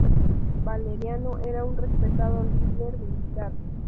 Valeriano era un respetado líder militar.